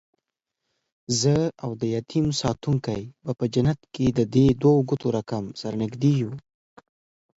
زه اودیتیم ساتونکی به په جنت کې ددې دوو ګوتو رکم، سره نږدې یو